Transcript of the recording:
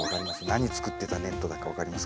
何作ってたネットだか分かりますか？